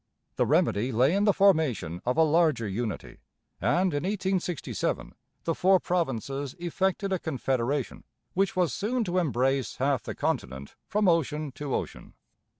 The remedy lay in the formation of a larger unity, and, in 1867, the four provinces effected a confederation, which was soon to embrace half the continent from ocean to ocean.